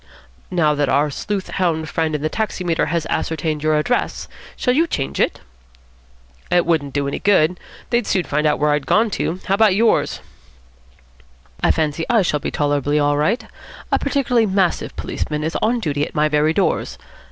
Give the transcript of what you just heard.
"Now that our sleuth hound friend in the taximeter has ascertained your address, shall you change it?" "It wouldn't do any good. They'd soon find where I'd gone to. How about yours?" "I fancy I shall be tolerably all right. A particularly massive policeman is on duty at my very doors.